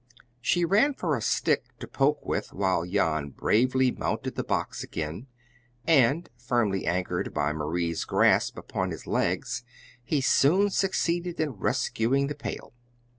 She ran for a stick to poke with, while Jan bravely mounted the box again, and, firmly anchored by Marie's grasp upon his legs, he soon succeeded in rescuing the pail.